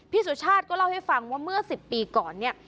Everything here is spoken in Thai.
สุชาติก็เล่าให้ฟังว่าเมื่อ๑๐ปีก่อนเนี่ย